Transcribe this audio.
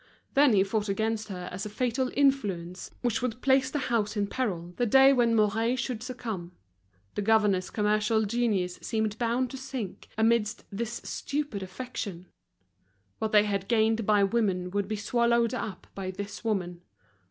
Then he fought against her as a fatal influence which would place the house in peril the day when Mouret should succumb. The governor's commercial genius seemed bound to sink amidst this stupid affection: what they had gained by women would be swallowed up by this woman.